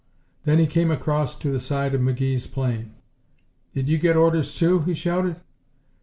Then he came across to the side of McGee's plane. "Did you get orders, too?" he shouted.